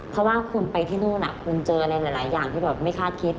เพราะว่าคุณไปที่นู่นคุณเจออะไรหลายอย่างที่แบบไม่คาดคิด